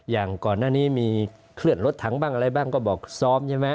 อย่างก่อนหน้านี้มีเคลื่อนรถถังบ้างอะไรบ้างก็บอกซ้อมใช่ไหม